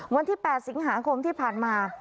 วันที่๘สิงหาคมที่ผ่านมา